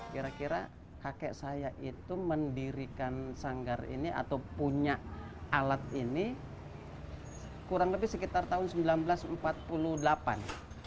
kira kira kakek saya itu mendirikan sanggar ini atau punya alat ini kurang lebih sekitar tahun seribu sembilan ratus empat puluh delapan